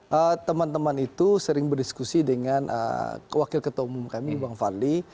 ya teman teman itu sering berdiskusi dengan wakil ketua umum kami bang fadli